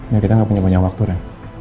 ya kita gak punya banyak waktu ren